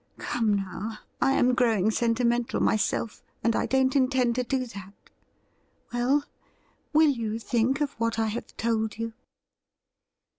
Come, now, I am growing sentimental myself, and I don't intend to do that. Well, will you think of what I have told you